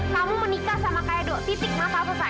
kamu menikah sama kak edo titik masa selesai